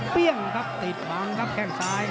ครับติดบังครับแข้งซ้าย